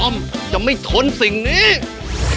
อ้อมจะไม่ทนสิ่งนี้